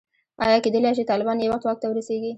ایا کېدلای شي طالبان یو وخت واک ته ورسېږي.